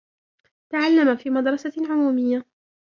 تعلم في مدرسة عمومية.